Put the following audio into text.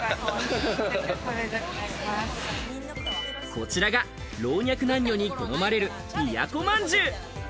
こちらが老若男女に好まれる、都まんじゅう。